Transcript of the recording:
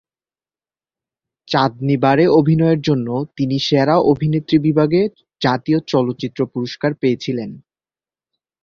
চাঁদনী বারে অভিনয়ের জন্য তিনি সেরা অভিনেত্রী বিভাগে জাতীয় চলচ্চিত্র পুরস্কার পেয়েছিলেন।